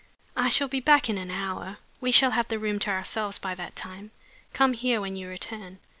"I shall be back in an hour." "We shall have the room to ourselves by that time. Come here when you return.